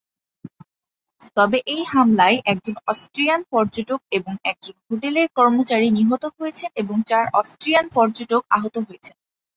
তবে এই হামলায় একজন অস্ট্রিয়ান পর্যটক এবং একজন হোটেলের কর্মচারী নিহত হয়েছেন এবং চার অস্ট্রিয়ান পর্যটক আহত হয়েছেন।